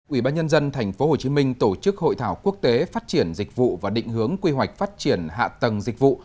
ủy ban nhân dân tp hcm tổ chức hội thảo quốc tế phát triển dịch vụ và định hướng quy hoạch phát triển hạ tầng dịch vụ